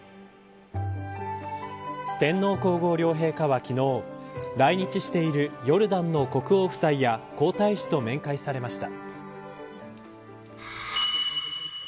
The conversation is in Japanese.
天皇皇后両陛下は昨日来日しているヨルダンの国王夫妻や皇太子と面会されました。